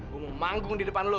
gue mau manggung di depan lo